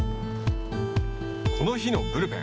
この日のブルペン。